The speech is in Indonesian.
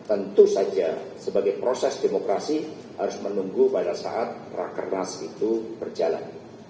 tentu saja sebagai proses demokrasi harus menunggu pada saat rakernas itu berjalan